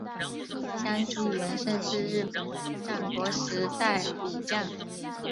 香西元盛是日本战国时代武将。